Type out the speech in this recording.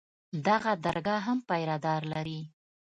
دغه درګاه هم پيره دار لري.